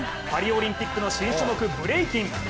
パリオリンピックの新種目ブレイキン。